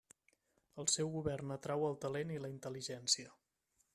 El seu govern atrau el talent i la intel·ligència.